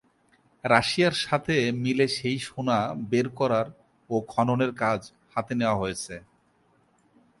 রাশিয়ার সাথে মিলে সেই সোনা বের করার ও খননের কাজ হাতে নেওয়া হয়েছে।